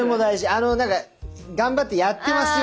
あの何か頑張ってやってますよ